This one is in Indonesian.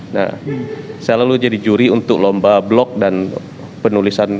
nah saya lalu jadi juri untuk lomba blog dan penulisan